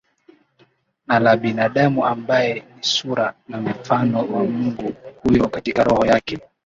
na la binadamu ambaye ni sura na mfano wa Mungu Huyo katika roho yake